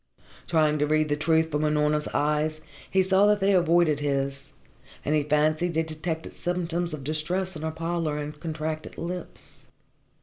Trying to read the truth from Unorna's eyes, he saw that they avoided his, and he fancied he detected symptoms of distress in her pallor and contracted lips.